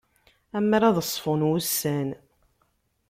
Amer ad ṣfun wussan.